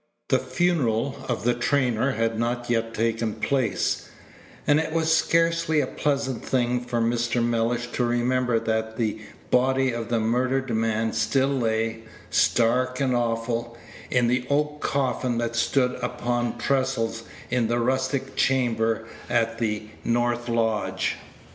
The funeral of the trainer had not yet taken place, and it was scarcely a pleasant thing for Mr. Mellish to remember that the body of the murdered man still lay, stark and awful, in the oak coffin that stood upon trestles in the rustic chamber at the north lodge.